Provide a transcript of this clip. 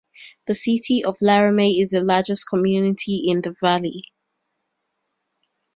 The city of Laramie is the largest community in the valley.